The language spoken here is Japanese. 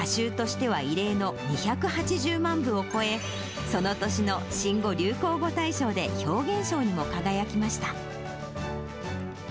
売り上げが歌集としては異例の２８０万部を超え、その年の新語・流行語大賞で表現賞にも輝きました。